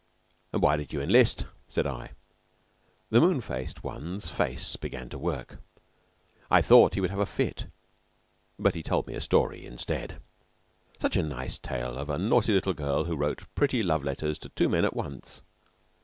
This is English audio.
"And why did you enlist?" said I. The moon faced one's face began to work. I thought he would have a fit, but he told me a story instead such a nice tale of a naughty little girl who wrote pretty love letters to two men at once.